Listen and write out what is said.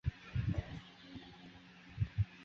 白栎为壳斗科栎属的植物。